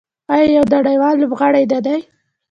آیا یو نړیوال لوبغاړی نه دی؟